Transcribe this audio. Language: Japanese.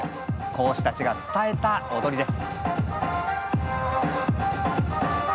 講師たちが伝えた踊りです。